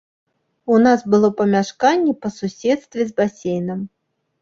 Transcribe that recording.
У нас было памяшканне па суседстве з басейнам.